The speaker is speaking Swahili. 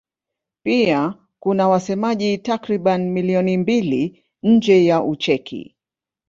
Pia kuna wasemaji takriban milioni mbili nje ya Ucheki.